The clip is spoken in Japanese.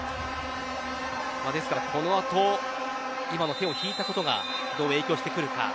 ですからこの後今の手を引いたことがどう影響してくるか。